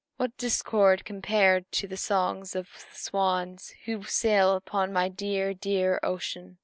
What a discord compared to the songs of the swans who sail upon my dear, dear ocean!"